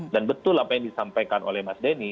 dan betul apa yang disampaikan oleh mas denny